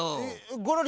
ゴロリ